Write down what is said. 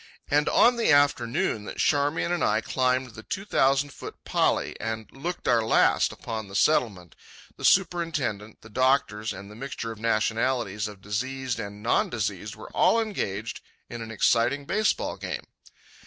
And on the afternoon that Charmian and I climbed the two thousand foot pali and looked our last upon the Settlement, the superintendent, the doctors, and the mixture of nationalities and of diseased and non diseased were all engaged in an exciting baseball game.